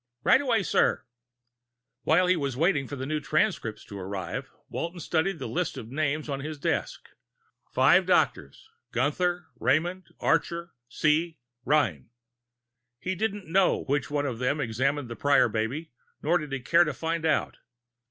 "Right away, sir." While he waited for the new transcripts to arrive, Walton studied the list of names on his desk. Five doctors Gunther, Raymond, Archer, Hsi, Rein. He didn't know which one of them had examined the Prior baby, nor did he care to find out.